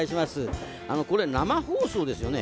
これ、生放送ですよね。